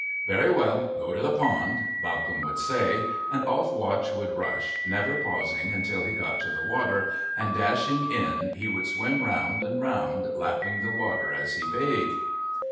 "Very well, go to the pond," Bawcombe would say, and off Watch would rush, never pausing until he got to the water, and dashing in he would swim round and round, lapping the water as he bathed.